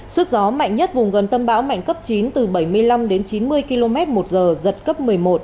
sức gió mạnh nhất vùng gần tâm bão mạnh cấp chín từ bảy mươi năm đến chín mươi km một giờ giật cấp một mươi một